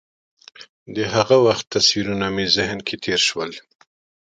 د هغه وخت تصویرونه مې ذهن کې تېر شول.